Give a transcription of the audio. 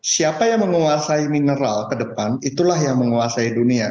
siapa yang menguasai mineral kedepan itulah yang menguasai dunia